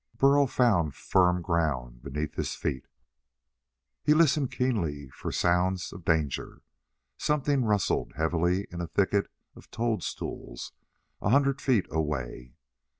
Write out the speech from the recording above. Burl found firm ground beneath his feet. He listened keenly for sounds of danger. Something rustled heavily in a thicket of toadstools a hundred feet away.